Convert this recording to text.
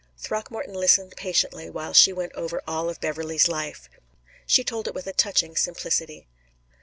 Throckmorton listened patiently while she went over all of Beverley's life. She told it with a touching simplicity.